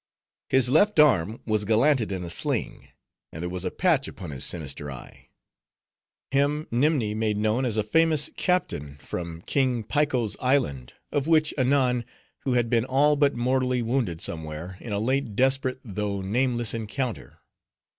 His left arm was gallanted in a sling, and there was a patch upon his sinister eye. Him Nimni made known as a famous captain, from King Piko's island (of which anon) who had been all but mortally wounded somewhere, in a late desperate though nameless encounter.